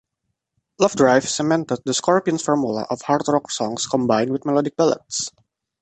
"Lovedrive" cemented the "Scorpions formula" of hard rock songs combined with melodic ballads.